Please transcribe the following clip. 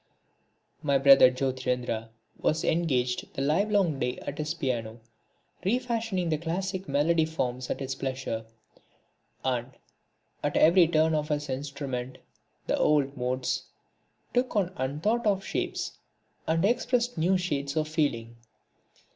My brother, Jyotirindra, was engaged the live long day at his piano, refashioning the classic melodic forms at his pleasure. And, at every turn of his instrument, the old modes took on unthought of shapes and expressed new shades of feeling.